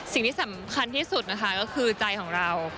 สิ่งที่สำคัญที่สุดนะคะก็คือใจของเรา